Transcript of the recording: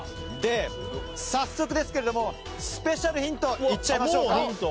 早速、スペシャルヒントいっちゃいましょうか。